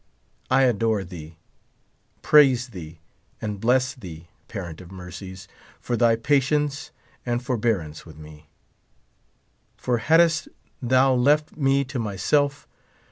I adore thee, praise thee, and bless thee, Parent of mercies, fpr thy patience and for bearance with me ; for hadst thou left me to mj^self.